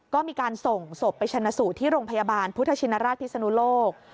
ก็มีการส่งศพไปชนะสูตรที่โรงพยาบาลพุทธชินราชพิศนุโลก